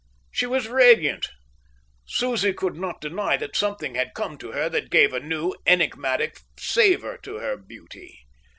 She was radiant. Susie could not deny that something had come to her that gave a new, enigmatic savour to her beauty.